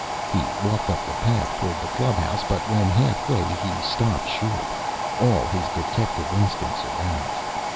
He walked up the path toward the club house, but when halfway, he stopped short, all his detective instincts aroused.